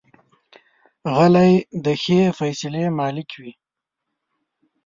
غلی، د ښې فیصلې مالک وي.